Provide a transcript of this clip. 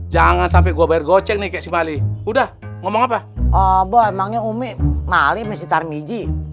jangan sampai gua bergocek nih kembali udah ngomong apa obo emangnya umi mali mesin tarmiji